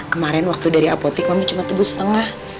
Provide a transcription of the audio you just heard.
kemaren waktu dari apotik mami cuma tebus setengah